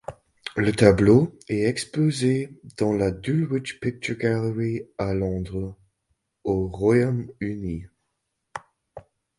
Le tableau est exposé dans la Dulwich Picture Gallery, à Londres, au Royaume-Uni.